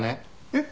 えっ！？